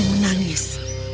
dan mulai menangis